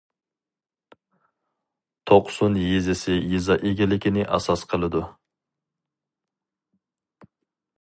توقسۇن يېزىسى يېزا ئىگىلىكىنى ئاساس قىلىدۇ.